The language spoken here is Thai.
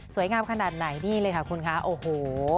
งามขนาดไหนนี่เลยค่ะคุณคะโอ้โห